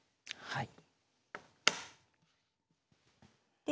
はい。